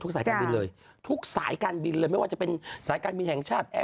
สายการบินเลยทุกสายการบินเลยไม่ว่าจะเป็นสายการบินแห่งชาติ